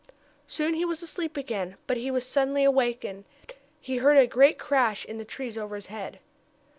Soon he was asleep again. But he was suddenly awakened. He heard a great crashing in the trees over his head.